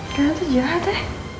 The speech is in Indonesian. kalian tuh jahat ya